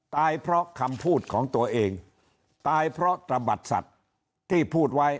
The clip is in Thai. ตายเพราะคำพูดของตัวเองตายเพราะตระบัดสัตว์ที่พูดไว้